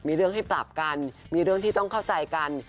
มีเรื่องให้ปรับกันมีเรื่องที่ต้องเข้าใจกัน